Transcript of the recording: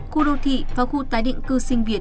khu đô thị và khu tái định cư sinh việt